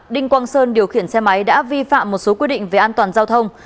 đinh quang sơn điều khiển xe máy đã vi phạm một số quy định về an toàn giao thông